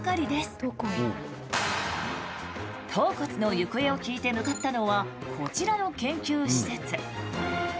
頭骨の行方を聞いて向かったのはこちらの研究施設。